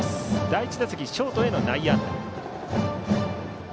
第１打席ショートへの内野安打。